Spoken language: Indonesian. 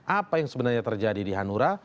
apa yang sebenarnya terjadi di hanura